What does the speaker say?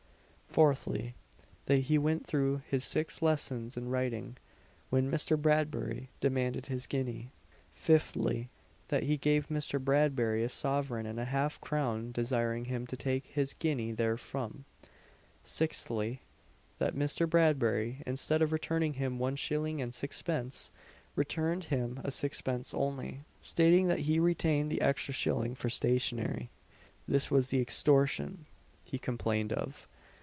Fourthly, that he went through his six lessons in writing, when Mr. Bradbury demanded his guinea. Fifthly, that he gave Mr. Bradbury a sovereign and a half crown, desiring him to take his guinea therefrom. Sixthly, that Mr. Bradbury, instead of returning him one shilling and sixpence, returned him a sixpence only, stating that he retained the extra shilling for stationery; this was the "extortion" he complained of.